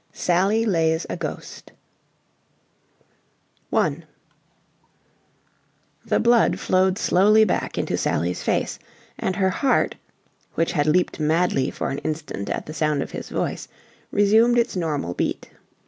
SALLY LAYS A GHOST 1 The blood flowed slowly back into Sally's face, and her heart, which had leaped madly for an instant at the sound of his voice, resumed its normal beat.